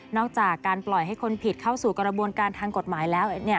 จากการปล่อยให้คนผิดเข้าสู่กระบวนการทางกฎหมายแล้ว